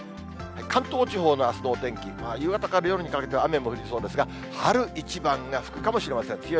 関東地方のあすのお天気、夕方から夜にかけては雨も降りそうですが、春一番が吹くかもしれません。